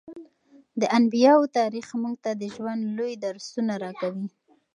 د انبیاوو تاریخ موږ ته د ژوند لوی درسونه راکوي.